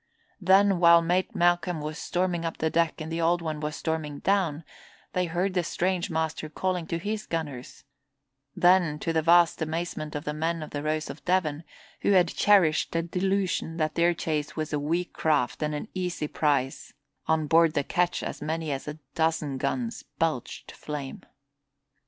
Then, while Mate Malcolm was storming up the deck and the Old One was storming down, they heard the strange master calling to his gunners; then, to the vast amazement of the men of the Rose of Devon, who had cherished the delusion that their chase was a weak craft and an easy prize, on board the ketch as many as a dozen guns belched flame.